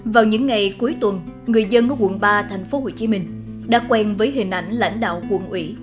vào những ngày cuối tuần người dân ở quận ba tp hcm đã quen với hình ảnh lãnh đạo quận ủy